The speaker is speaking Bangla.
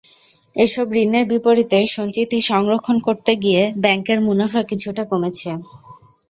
এসব ঋণের বিপরীতে সঞ্চিতি সংরক্ষণ করতে গিয়ে ব্যাংকের মুনাফা কিছুটা কমেছে।